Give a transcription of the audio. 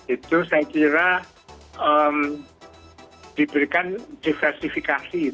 itu saya kira diberikan diversifikasi